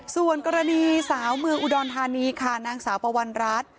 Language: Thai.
ส่วนกรณีสาวเมืองอุดรธานีค่ะนางสาวปวัณรัฐ